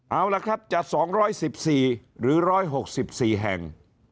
เอาล่ะครับจะ๒๑๔หรือ๑๖๔แห่ง